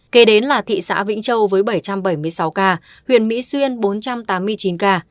kế đến là thị xã vĩnh châu với bảy trăm bảy mươi sáu ca huyện mỹ xuyên bốn trăm tám mươi chín ca